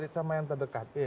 sama yang terdekat